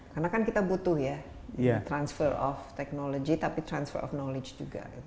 karena kan kita butuh ya transfer of technology tapi transfer of knowledge juga